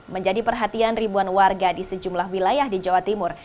menjadi perhatian ribuan warga di sejumlah wilayah di jawa timur